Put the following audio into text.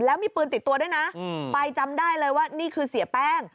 แล้วมีปืนติดตัวด้วยนะไปจำได้เลยว่านี่คือเสียแป้ง